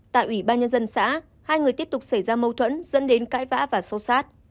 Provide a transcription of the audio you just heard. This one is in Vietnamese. tại ubnd xã hai người tiếp tục xảy ra mâu thuẫn dẫn đến cãi vã và sâu sát